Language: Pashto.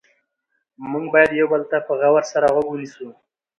موږ باید یو بل ته په غور غوږ ونیسو